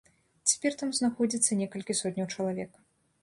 Цяпер там знаходзіцца некалькі сотняў чалавек.